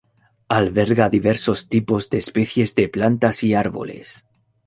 Alberga diversos tipos de especies de plantas y árboles.